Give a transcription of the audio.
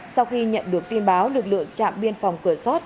sau khi nhận được tin báo lực lượng trạm biên phòng cửa sót